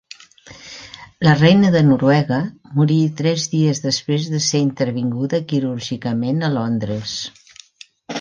La reina de Noruega morí tres dies després de ser intervinguda quirúrgicament a Londres.